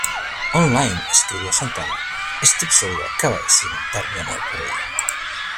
Online" escribió a Santana: "Este episodio acaba de cimentar mi amor por ella.